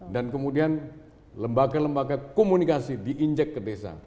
dan kemudian lembaga lembaga komunikasi di injek ke desa